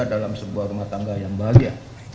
dalam sebuah rumah tangga yang bahagia